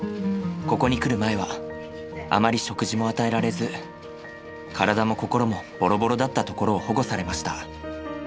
ここに来る前はあまり食事も与えられず体も心もボロボロだったところを保護されました。